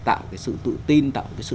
tạo cái sự tự tin tạo cái sự